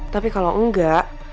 tapi kalau enggak